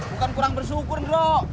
bukan kurang bersyukur bro